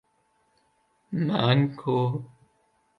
manko